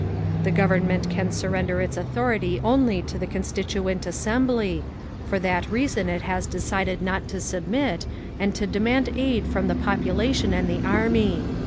"The Government can surrender its authority only to the Consituent Assembly; for that reason it has decided not to submit, and to demand aid from the population and the Army.